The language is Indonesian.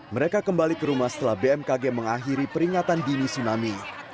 mereka kembali ke rumah setelah bmkg mengakhiri peringatan dini tsunami